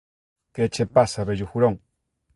Que che pasa, vello furón.